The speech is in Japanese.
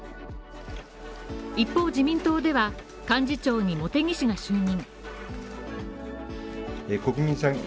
一方自民党では、幹事長に茂木氏が就任。